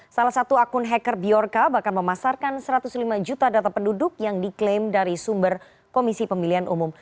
salah satu akun hacker bjorka bahkan memasarkan satu ratus lima juta data penduduk yang diklaim dari sumber komisi pemilihan umum